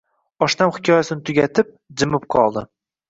Oshnam hikoyasini tugatib, jimib qoldi